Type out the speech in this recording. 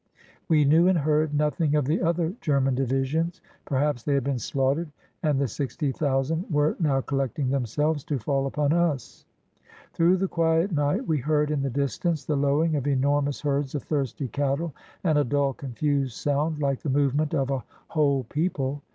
We knew and heard nothing of the other German divisions. Perhaps they had been slaughtered and the sixty thou sand were now collecting themselves to fall upon us. Through the quiet night we heard in the distance the lowing of enormous herds of thirsty cattle and a dull con fused sound like the movement of a whole people.